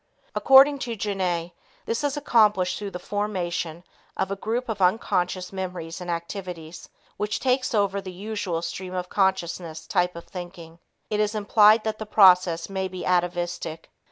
According to Janet, this is accomplished through the formation of a group of unconscious memories and activities which takes over the usual stream of consciousness type of thinking. It is implied that the process may be atavistic.